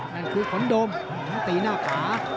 นั่นคือขนโดมตีหน้าขา